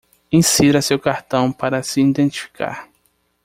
Insira seu cartão para se identificar.